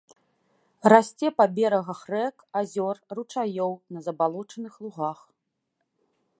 Расце па берагах рэк, азёр, ручаёў, на забалочаных лугах.